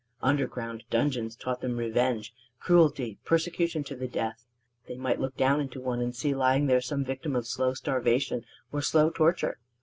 Underground dungeons taught them revenge, cruelty, persecution to the death: they might look down into one and see lying there some victim of slow starvation or slow torture.